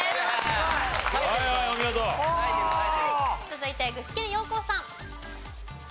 続いて具志堅用高さん。